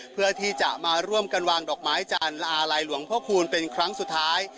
เพื่อที่จะมาร่วมกันวางดอกไม้จันทร์และอาลัยหลวงพ่อคูณเป็นครั้งสุดท้าย